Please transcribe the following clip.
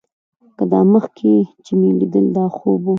که دا مخکې چې مې ليدل دا خوب و.